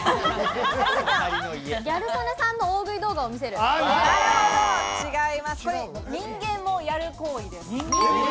ギャル曽根さんの大食い動画人間もやる行為です。